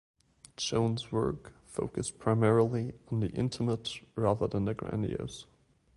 Jones' work focused primarily on the intimate rather than the grandiose.